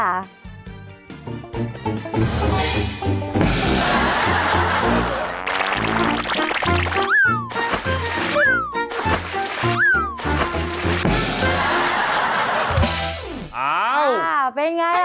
อ้าวเป็นยังไง